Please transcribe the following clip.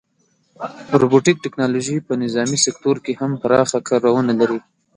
روبوټیک ټیکنالوژي په نظامي سکتور کې هم پراخه کارونه لري.